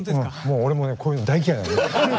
俺もねこういうの大嫌いなの。